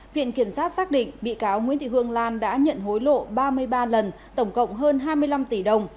viện kiểm sát xác định bị cáo nguyễn thị hương lan đã nhận hối lộ ba mươi ba lần tổng cộng hơn hai mươi năm tỷ đồng